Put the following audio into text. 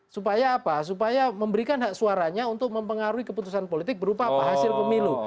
supaya apa supaya memberikan hak suaranya untuk mempengaruhi keputusan politik berupa hasil pemilu